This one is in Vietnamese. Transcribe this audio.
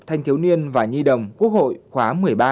thanh thiếu niên và nhi đồng quốc hội khóa một mươi ba